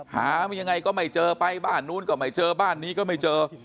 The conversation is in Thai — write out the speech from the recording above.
หายังไงก็ไม่เจอไปบ้านนู้นก็ไม่เจอบ้านนี้ก็ไม่เจอ